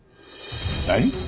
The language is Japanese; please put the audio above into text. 何！？